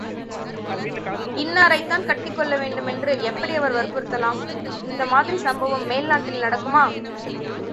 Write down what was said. இன்னாரைத்தான் கட்டிக்கொள்ள வேண்டும் என்று எப்படி அவர் வற்புறுத்தலாம், இந்த மாதிரி சம்பவம் மேல் நாட்டில் நடக்குமா?